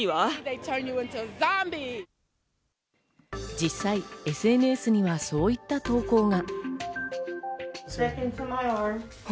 実際ＳＮＳにはそういった投稿が。